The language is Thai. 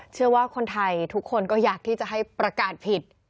เชื่อว่าคนไทยทุกคนก็อยากที่จะให้ประกาศผิด